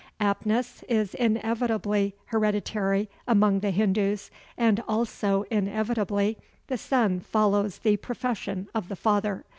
Aptness is inevitably hereditary among the Hindus, and, also inevitably, the son follows the profession of the father.